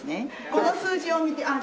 この数字を見て。